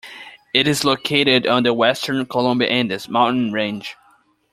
It is located on the western Colombian Andes mountain range.